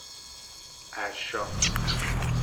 ارشا